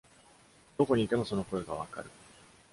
どこにいてもその声が分かる。